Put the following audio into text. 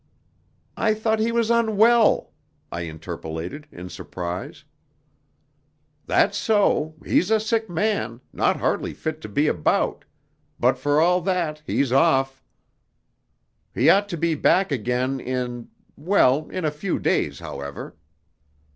"I thought he was unwell," I interpolated, in surprise. "That's so. He's a sick man, not hardly fit to be about, but for all that he's off. He ought to be back again in well, in a few days, however."